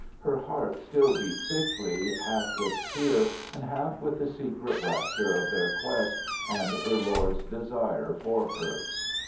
Her heart still beat thickly, half with fear and half with the secret rapture of their quest and her lord's desire for her.